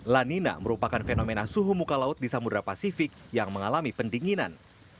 lanina merupakan fenomena suhu muka laut di samudera pasifik yang mengalami pendinginan